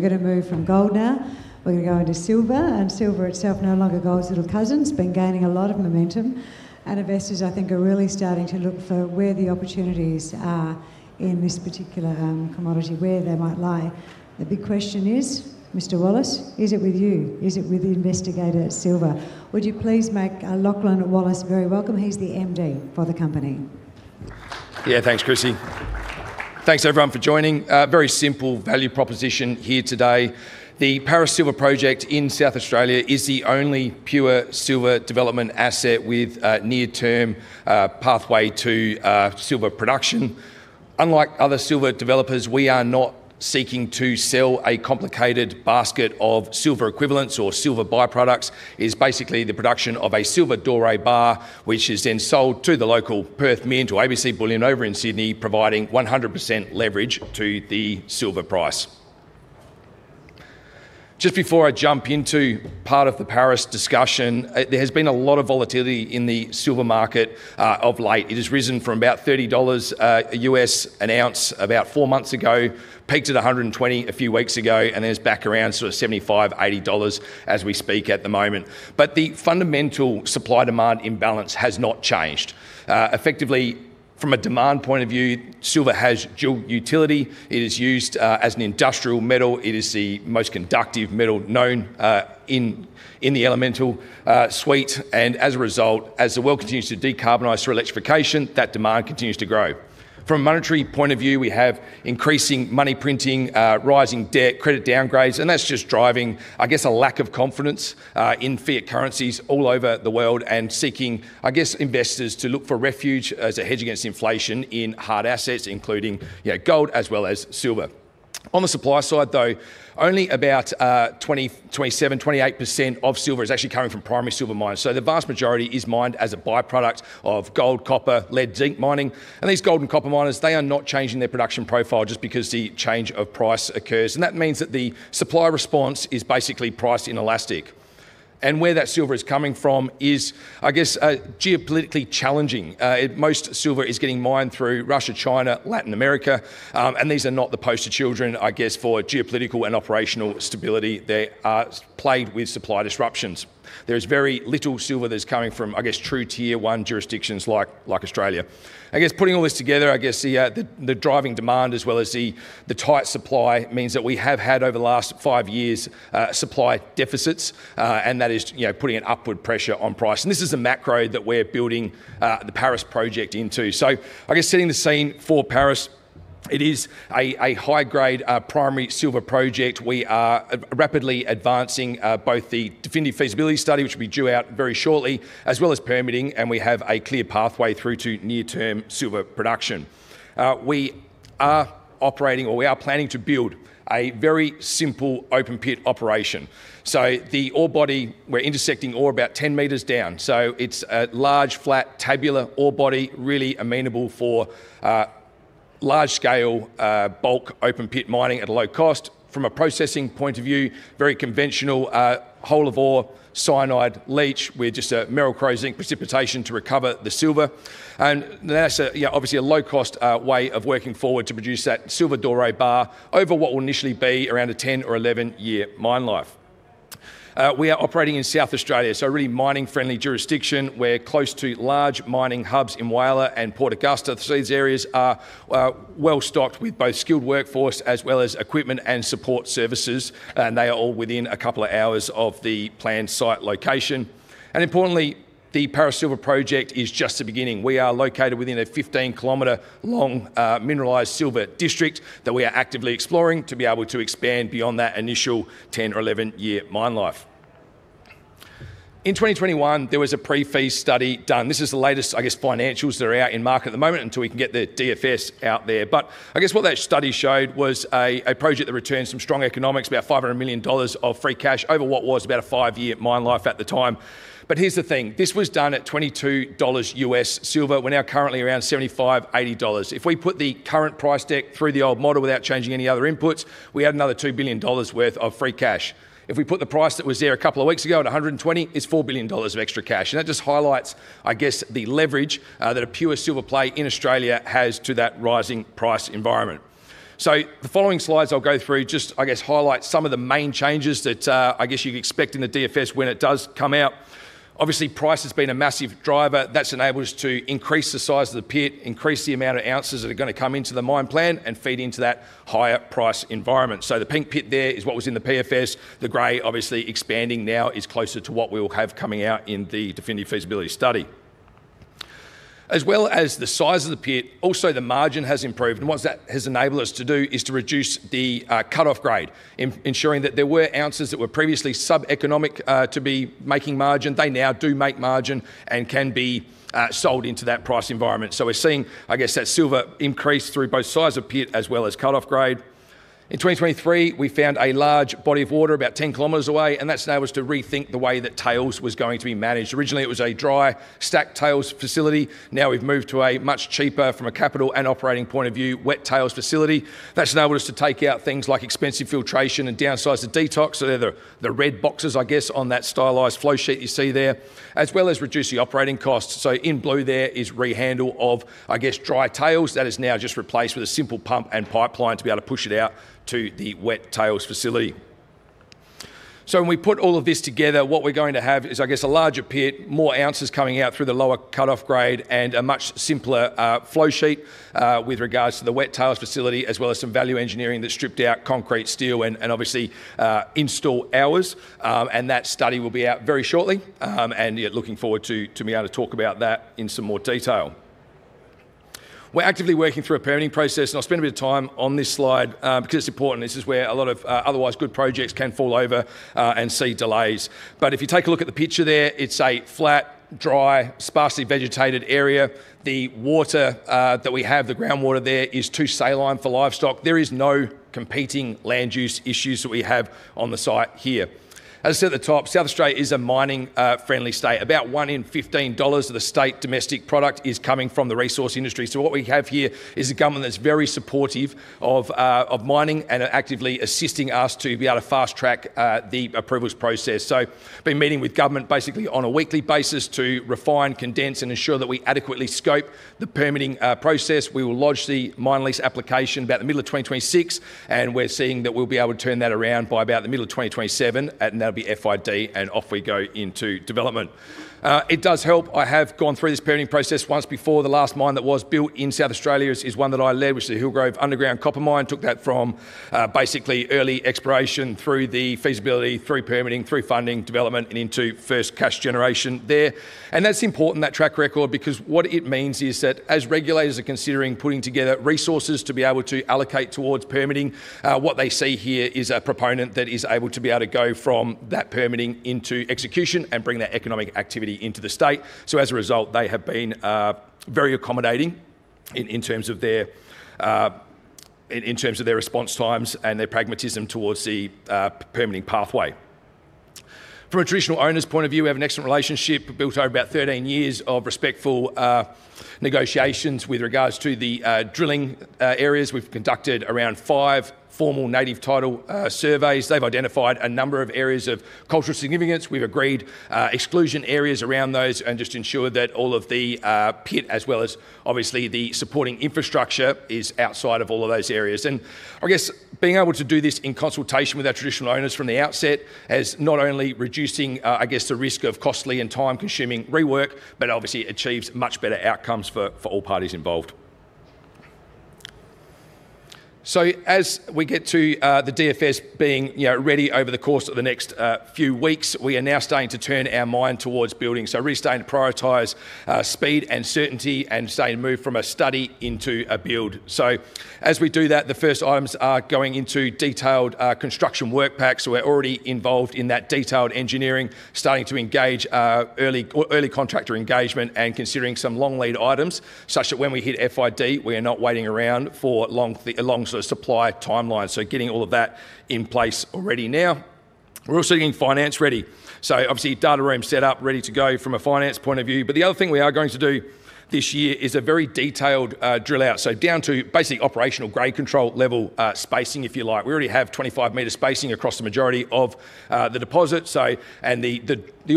We're gonna move from gold now. We're gonna go into silver, and silver itself, no longer gold's little cousin, it's been gaining a lot of momentum, and investors, I think, are really starting to look for where the opportunities are in this particular commodity, where they might lie. The big question is, Mr. Wallace, is it with you? Is it with Investigator Silver? Would you please make Lachlan Wallace very welcome. He's the MD for the company. Yeah, thanks, Chrissy. Thanks, everyone, for joining. Very simple value proposition here today. The Paris Silver Project in South Australia is the only pure silver development asset with a near-term pathway to silver production. Unlike other silver developers, we are not seeking to sell a complicated basket of silver equivalents or silver by-products. It's basically the production of a silver doré bar, which is then sold to the local Perth Mint, to ABC Bullion over in Sydney, providing 100% leverage to the silver price. Just before I jump into part of the Paris discussion, there has been a lot of volatility in the silver market of late. It has risen from about $30 an ounce about four months ago, peaked at $120 a few weeks ago, and then it's back around sort of $75-$80 as we speak at the moment. But the fundamental supply-demand imbalance has not changed. Effectively, from a demand point of view, silver has dual utility. It is used as an industrial metal. It is the most conductive metal known in the elemental suite, and as a result, as the world continues to decarbonize through electrification, that demand continues to grow. From a monetary point of view, we have increasing money printing, rising debt, credit downgrades, and that's just driving, I guess, a lack of confidence in fiat currencies all over the world and seeking, I guess, investors to look for refuge as a hedge against inflation in hard assets, including, you know, gold as well as silver. On the supply side, though, only about 27-28% of silver is actually coming from primary silver miners. So the vast majority is mined as a by-product of gold, copper, lead, zinc mining. And these gold and copper miners, they are not changing their production profile just because the change of price occurs, and that means that the supply response is basically priced inelastic. And where that silver is coming from is, I guess, geopolitically challenging. Most silver is getting mined through Russia, China, Latin America, and these are not the poster children, I guess, for geopolitical and operational stability. They are plagued with supply disruptions. There is very little silver that's coming from, I guess, true Tier One jurisdictions like Australia. I guess, putting all this together, I guess the driving demand as well as the tight supply means that we have had, over the last five years, supply deficits, and that is, you know, putting an upward pressure on price. This is the macro that we're building the Paris Project into. So I guess setting the scene for Paris, it is a high-grade primary silver project. We are rapidly advancing both the definitive feasibility study, which will be due out very shortly, as well as permitting, and we have a clear pathway through to near-term silver production. We are operating, or we are planning to build a very simple open-pit operation. So the ore body, we're intersecting ore about 10 meters down, so it's a large, flat, tabular ore body, really amenable for large-scale bulk open-pit mining at a low cost. From a processing point of view, very conventional whole-of-ore cyanide leach with just a Merrill-Crowe zinc precipitation to recover the silver. And that's obviously a low-cost way of working forward to produce that silver doré bar over what will initially be around a 10 or 11-year mine life. We are operating in South Australia, so a really mining-friendly jurisdiction. We're close to large mining hubs in Whyalla and Port Augusta. These areas are well-stocked with both skilled workforce as well as equipment and support services, and they are all within a couple of hours of the planned site location. And importantly, the Paris Silver Project is just the beginning. We are located within a 15-kilometer long mineralized silver district that we are actively exploring to be able to expand beyond that initial 10 or 11-year mine life. In 2021, there was a pre-feasibility study done. This is the latest, I guess, financials that are out in market at the moment until we can get the DFS out there. But I guess what that study showed was a project that returns some strong economics, about $500 million of free cash over what was about a five-year mine life at the time. But here's the thing, this was done at $22 US silver. We're now currently around $75-$80. If we put the current price deck through the old model without changing any other inputs, we add another $2 billion worth of free cash. If we put the price that was there a couple of weeks ago at $120, it's $4 billion of extra cash, and that just highlights, I guess, the leverage that a pure silver play in Australia has to that rising price environment. So the following slides I'll go through just, I guess, highlight some of the main changes that, I guess, you'd expect in the DFS when it does come out. Obviously, price has been a massive driver. That's enabled us to increase the size of the pit, increase the amount of ounces that are gonna come into the mine plan, and feed into that higher price environment. So the pink pit there is what was in the PFS. The gray, obviously expanding now, is closer to what we will have coming out in the definitive feasibility study. As well as the size of the pit, also the margin has improved, and what that has enabled us to do is to reduce the cut-off grade, ensuring that there were ounces that were previously sub-economic to be making margin. They now do make margin and can be sold into that price environment. So we're seeing, I guess, that silver increase through both size of pit as well as cut-off grade. In 2023, we found a large body of water about 10 km away, and that's enabled us to rethink the way that tails was going to be managed. Originally, it was a dry stack tails facility. Now we've moved to a much cheaper, from a capital and operating point of view, wet tails facility. That's enabled us to take out things like expensive filtration and downsize the detox, so they're the red boxes, I guess, on that stylized flow sheet you see there, as well as reduce the operating costs. So in blue there is rehandle of, I guess, dry tails. That is now just replaced with a simple pump and pipeline to be able to push it out to the wet tails facility. So when we put all of this together, what we're going to have is, I guess, a larger pit, more ounces coming out through the lower cut-off grade, and a much simpler flow sheet with regards to the wet tailings facility, as well as some value engineering that stripped out concrete, steel, and obviously install hours. And that study will be out very shortly, and yeah, looking forward to be able to talk about that in some more detail. We're actively working through a permitting process, and I'll spend a bit of time on this slide because it's important. This is where a lot of otherwise good projects can fall over and see delays. But if you take a look at the picture there, it's a flat, dry, sparsely vegetated area. The water, that we have, the groundwater there, is too saline for livestock. There is no competing land use issues that we have on the site here. As I said at the top, South Australia is a mining, friendly state. About 1 in 15 dollars of the state domestic product is coming from the resource industry. So what we have here is a government that's very supportive of, of mining and are actively assisting us to be able to fast-track, the approvals process. So, been meeting with government basically on a weekly basis to refine, condense, and ensure that we adequately scope the permitting, process. We will lodge the mine lease application about the middle of 2026, and we're seeing that we'll be able to turn that around by about the middle of 2027, and that'll be FID, and off we go into development. It does help. I have gone through this permitting process once before. The last mine that was built in South Australia is one that I led, which is the Hillgrove Underground Copper Mine. Took that from basically early exploration through the feasibility, through permitting, through funding, development, and into first cash generation there. That's important, that track record, because what it means is that as regulators are considering putting together resources to be able to allocate towards permitting, what they see here is a proponent that is able to go from that permitting into execution and bring that economic activity into the state. So as a result, they have been very accommodating in terms of their response times and their pragmatism towards the permitting pathway. From a Traditional Owners' point of view, we have an excellent relationship built over about 13 years of respectful negotiations with regards to the drilling areas. We've conducted around five formal Native Title surveys. They've identified a number of areas of cultural significance. We've agreed, exclusion areas around those and just ensured that all of the, pit, as well as obviously the supporting infrastructure, is outside of all of those areas. And I guess being able to do this in consultation with our Traditional Owners from the outset has not only reducing, I guess, the risk of costly and time-consuming rework, but obviously achieves much better outcomes for, for all parties involved. So as we get to, the DFS being, you know, ready over the course of the next, few weeks, we are now starting to turn our mind towards building. So really starting to prioritize, speed and certainty and starting to move from a study into a build. So as we do that, the first items are going into detailed, construction work packs. So we're already involved in that detailed engineering, starting to engage early contractor engagement and considering some long lead items, such that when we hit FID, we are not waiting around for long, a long sort of supply timeline. So getting all of that in place already now. We're also getting finance ready. So obviously, data room set up, ready to go from a finance point of view. But the other thing we are going to do this year is a very detailed drill out, so down to basically operational grade control level spacing, if you like. We already have 25-meter spacing across the majority of the deposit, so, and the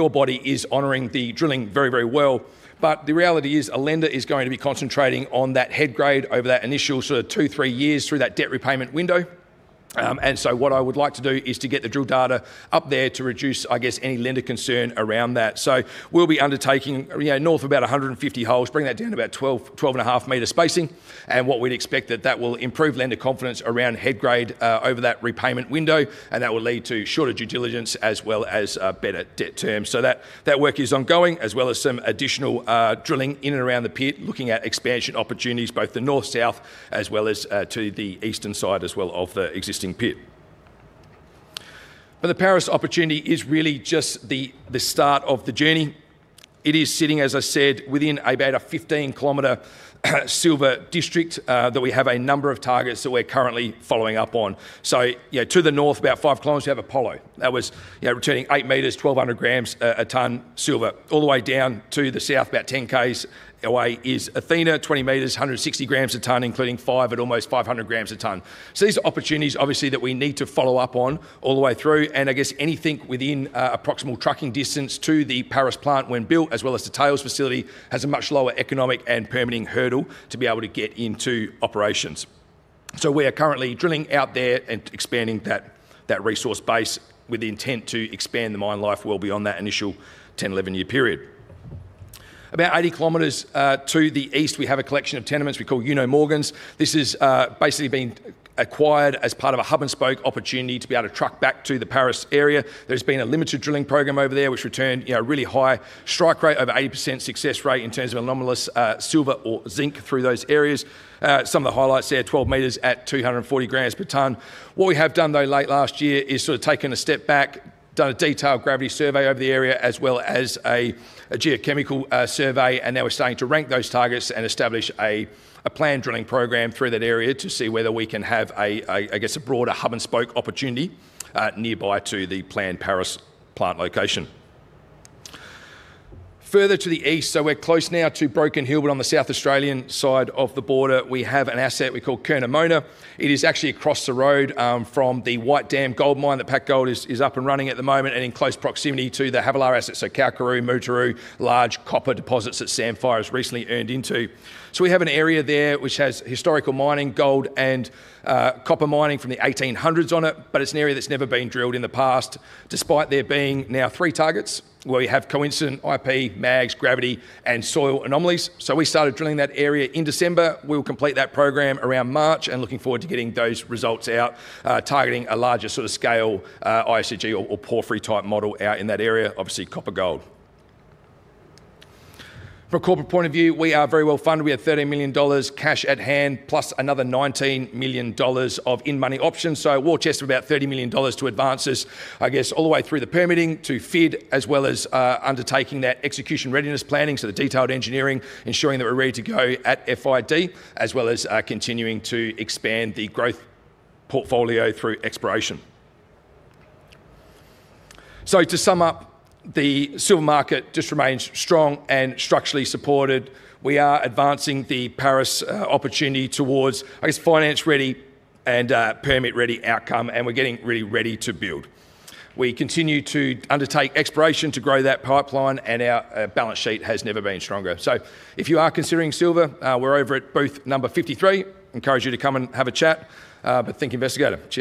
ore body is honoring the drilling very, very well. But the reality is, a lender is going to be concentrating on that head grade over that initial sort of 2-3 years through that debt repayment window. And so what I would like to do is to get the drill data up there to reduce, I guess, any lender concern around that. So we'll be undertaking, you know, north of about 150 holes, bring that down to about 12-12.5 meter spacing. And what we'd expect that that will improve lender confidence around head grade over that repayment window, and that will lead to shorter due diligence as well as better debt terms. So that work is ongoing, as well as some additional drilling in and around the pit, looking at expansion opportunities, both the north, south, as well as to the eastern side as well of the existing pit. But the Paris opportunity is really just the start of the journey. It is sitting, as I said, within about a 15-kilometer silver district, that we have a number of targets that we're currently following up on. So, you know, to the north, about five kilometers, we have Apollo. That was, you know, returning eight meters, 1,200 grams a ton silver. All the way down to the south, about 10 km away, is Athena, 20 meters, 160 grams a ton, including five at almost 500 grams a ton. So these are opportunities, obviously, that we need to follow up on all the way through, and I guess anything within approximate trucking distance to the Paris Plant when built, as well as the tails facility, has a much lower economic and permitting hurdle to be able to get into operations. So we are currently drilling out there and expanding that resource base with the intent to expand the mine life well beyond that initial 10-11-year period. About 80 km to the east, we have a collection of tenements we call Uno Morgans. This has basically been acquired as part of a hub-and-spoke opportunity to be able to truck back to the Paris area. There's been a limited drilling program over there, which returned, you know, really high strike rate, over 80% success rate, in terms of anomalous silver or zinc through those areas. Some of the highlights there, 12 meters at 240 grams per ton. What we have done, though, late last year, is sort of taken a step back, done a detailed gravity survey over the area, as well as a geochemical survey, and now we're starting to rank those targets and establish a planned drilling program through that area to see whether we can have a, I guess, a broader hub-and-spoke opportunity nearby to the planned Paris Plant location. Further to the east, so we're close now to Broken Hill, but on the South Australian side of the border, we have an asset we call Curnamona. It is actually across the road from the White Dam Gold Mine that Portia Gold is up and running at the moment, and in close proximity to the Havilah asset, so Kalkaroo, Mutooroo, large copper deposits that Sandfire has recently earned into. So we have an area there which has historical mining, gold and copper mining from the 1800s on it, but it's an area that's never been drilled in the past, despite there being now three targets, where we have coincident IP, mags, gravity, and soil anomalies. So we started drilling that area in December. We'll complete that program around March, and looking forward to getting those results out, targeting a larger sort of scale, IOCG or porphyry-type model out in that area, obviously, copper, gold. From a corporate point of view, we are very well-funded. We have 13 million dollars cash at hand, plus another 19 million dollars of in-the-money options. So war chest of about 30 million dollars to advance us, I guess, all the way through the permitting to FID, as well as, undertaking that execution readiness planning, so the detailed engineering, ensuring that we're ready to go at FID, as well as, continuing to expand the growth portfolio through exploration. So to sum up, the silver market just remains strong and structurally supported. We are advancing the Paris opportunity towards, I guess, finance-ready and, permit-ready outcome, and we're getting really ready to build. We continue to undertake exploration to grow that pipeline, and our, balance sheet has never been stronger. So if you are considering silver, we're over at booth number 53. Encourage you to come and have a chat, but think Investigator.